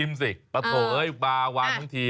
กินสิโอ้โหปลาวานเพิ่งที